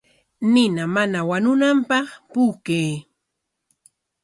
Nina mana wañunanpaq puukay.